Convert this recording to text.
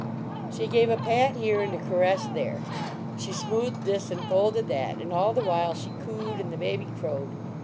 She gave a pat here and a caress there; she smoothed this and folded that, and all the while she cooed and the baby crowed.